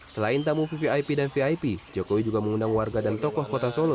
selain tamu vvip dan vip jokowi juga mengundang warga dan tokoh kota solo